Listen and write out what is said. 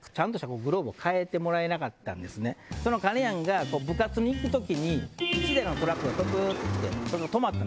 その金やんが部活に行く時に１台のトラックがププっと来て止まったんですね。